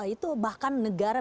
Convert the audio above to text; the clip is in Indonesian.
itu bahkan negara